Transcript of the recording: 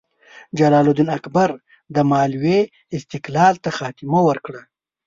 جلال الدین اکبر د مالوې استقلال ته خاتمه ورکړه.